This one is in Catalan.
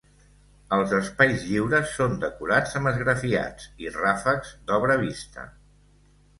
Els espais lliures són decorats amb esgrafiats i ràfecs d'obra vista.